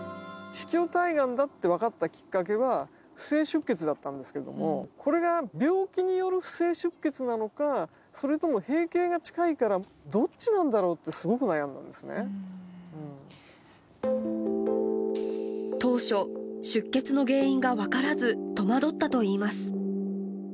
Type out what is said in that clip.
子宮体がんだって分かったきっかけは不正出血だったんですけれども、これが病気による不正出血なのか、それとも閉経が近いから、どっちなんだろうって、すごく悩んだん当初、出血の原因が分からず、戸惑ったといいます。